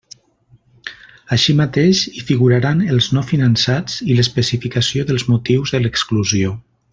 Així mateix, hi figuraran els no finançats i l'especificació dels motius de l'exclusió.